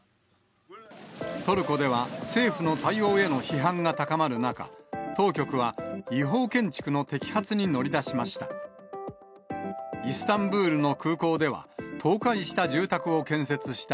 トルコでは政府の対応への批判が高まる中、当局は違法建築の摘発に乗り出しました。